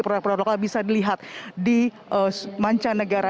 produk produk lokal bisa dilihat di mancanegara